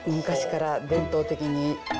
昔から伝統的に。